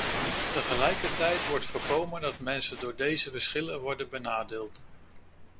Tegelijkertijd wordt voorkomen dat mensen door deze verschillen worden benadeeld.